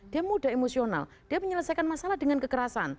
dia mudah emosional dia menyelesaikan masalah dengan kekerasan